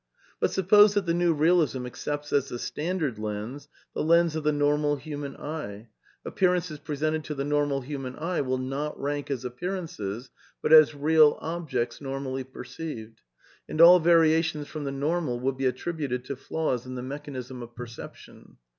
But suppose that the New Bealism accepts as the stand ar^lens the lens of the normal human eye, appearances presented to the normal human eye will not rank as appear ances, but as real objects normally perceived, and all varia tions from the normal will be attributed to flaws in the mechanism of perception.